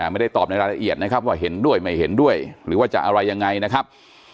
ไม่ได้ตอบในรายละเอียดนะครับว่าเห็นด้วยไม่เห็นด้วยหรือว่าจะอะไรยังไงนะครับ